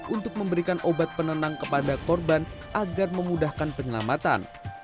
untuk memberikan obat penenang kepada korban agar memudahkan penyelamatan